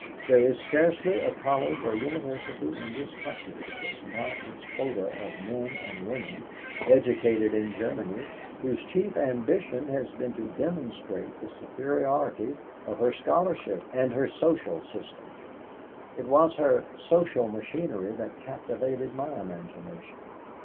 There is scarcely a college or university in this country that has not its quota of men and women, educated in Germany, whose chief ambition has been to demonstrate the superiority of her scholarship and of her social system. It was her social machinery that captivated my imagination.